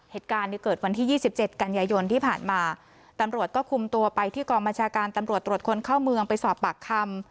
เหตุการณ์เนี่ยเกิดวันที่๒๗กันยายนที่ผ่านมาตำรวจก็คุมตัวไปที่กองบัญชาการตำรวจตรวจคนเข้าเมืองไปสอบปากคำ